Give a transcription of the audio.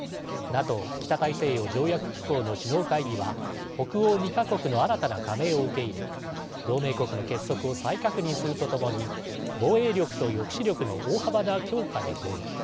ＮＡＴＯ＝北大西洋条約機構の首脳会議は、北欧２か国の新たな加盟を受け入れ同盟国の結束を再確認するとともに防衛力と抑止力の大幅な強化で合意。